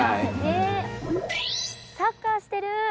サッカーしてる！